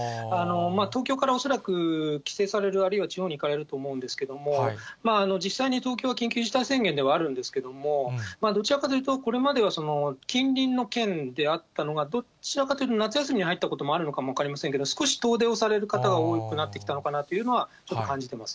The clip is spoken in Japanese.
東京から恐らく帰省される、あるいは地方に行かれると思うんですけれども、実際に東京は緊急事態宣言ではあるんですけれども、どちらかというとこれまでは近隣の県であったのが、どちらかというと、夏休みに入ったこともあるのかもわかりませんけれども、少し遠出をされる方が多くなったのかなとちょっと感じています。